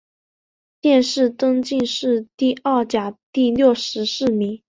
殿试登进士第二甲第六十四名。